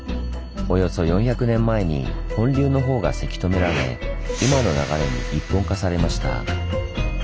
およそ４００年前に本流のほうがせき止められ今の流れに一本化されました。